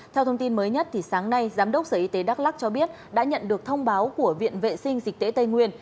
theo thông tin mới nhất sáng nay giám đốc sở y tế đắk lắc cho biết đã nhận được thông báo của viện vệ sinh dịch tễ tây nguyên